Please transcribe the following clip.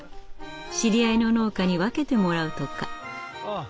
知り合いの農家に分けてもらうとか。